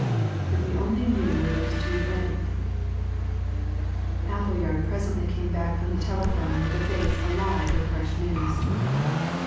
If we only knew where those two went " Appleyard presently came back from the telephone with a face alive with fresh news.